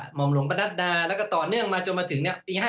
หมอมหลวงประนัดดาแล้วก็ต่อเนื่องมาจนมาถึงปี๕๗